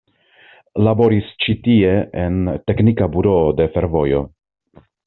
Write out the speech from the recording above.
Laboris ĉi tie en teknika buroo de fervojo.